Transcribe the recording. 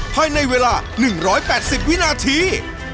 ภายในเวลา๑๘๐วินาที